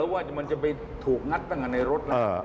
ว่ามันจะไปถูกงัดตั้งแต่ในรถแล้ว